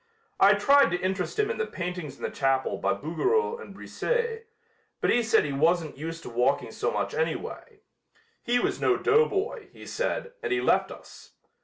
I tried to interest him in the paintings in the chapel by Bouguereau and Brisset, but he said he wasn't used to walking so much anyway. He was no doughboy, he said, and he left us.